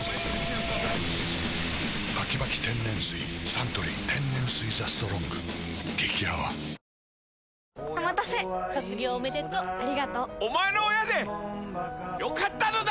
サントリー天然水「ＴＨＥＳＴＲＯＮＧ」激泡おまたせありがとう卒業おめでとうお前の親でよかったのだ！